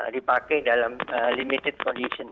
dipakai dalam limited condition